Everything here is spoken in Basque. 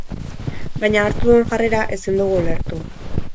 Baina hartu duen jarrera ezin dugu ulertu.